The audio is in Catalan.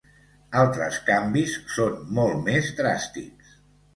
Altres canvis són molt més dràstics.